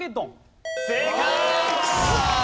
正解。